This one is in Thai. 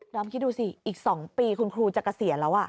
อมคิดดูสิอีก๒ปีคุณครูจะเกษียณแล้ว